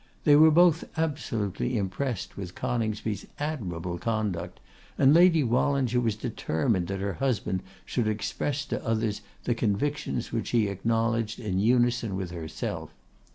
They were both absolutely impressed with Coningsby's admirable conduct, and Lady Wallinger was determined that her husband should express to others the convictions which he acknowledged in unison with herself.